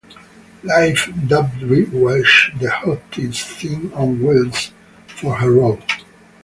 "Life" dubbed Welch the "hottest thing on wheels" for her role.